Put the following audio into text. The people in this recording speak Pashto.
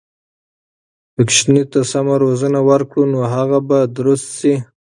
که ماشوم ته سمه روزنه ورکړو، نو هغه به درست شي.